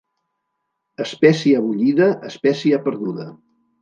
Espècia bullida, espècia perduda.